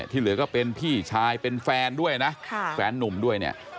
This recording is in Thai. เหลือก็เป็นพี่ชายเป็นแฟนด้วยนะแฟนนุ่มด้วยเนี่ย